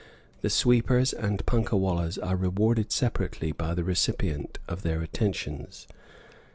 The sweepers and punkah wallahs are rewarded separately by the recipient of their attentions.